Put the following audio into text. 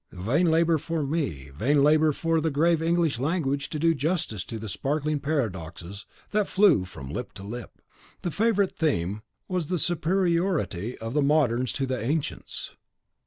Vain labour for me vain labour almost for the grave English language to do justice to the sparkling paradoxes that flew from lip to lip. The favourite theme was the superiority of the moderns to the ancients.